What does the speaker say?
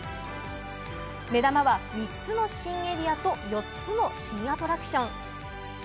目玉は３つの新エリアと４つの新アトラクション。